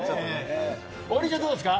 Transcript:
王林ちゃん、どうですか？